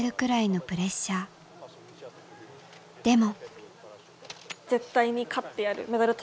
でも。